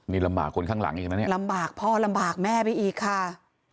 นี่ลำบากคนข้างหลังอีกใช่ไหมเนี่ยลำบากพ่อลำบากแม่ไปอีกค่ะ